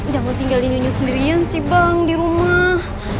jangan tinggalinnya sendirian bang di rumah